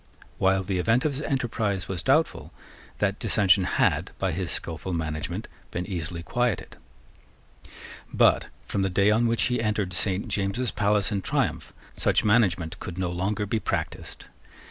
While the event of his enterprise was doubtful, that dissension had, by his skilful management, been easily quieted. But, from the day on which he entered Saint James's palace in triumph, such management could no longer be practised.